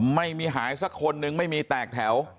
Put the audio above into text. ไม่มีหายสักคนนึงไม่มีแตกแถว